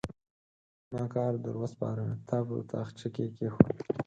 ما کار در وسپاره؛ تا په تاخچه کې کېښود.